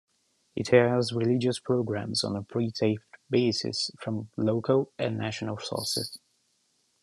It airs religious programs on a pre-taped basis from local and national sources.